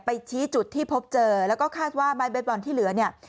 ชี้จุดที่พบเจอแล้วก็คาดว่าไม้เบสบอลที่เหลือเนี่ย